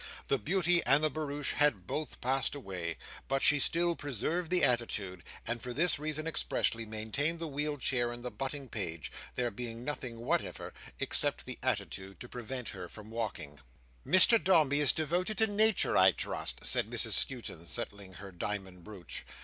The beauty and the barouche had both passed away, but she still preserved the attitude, and for this reason expressly, maintained the wheeled chair and the butting page: there being nothing whatever, except the attitude, to prevent her from walking. "Mr Dombey is devoted to Nature, I trust?" said Mrs Skewton, settling her diamond brooch.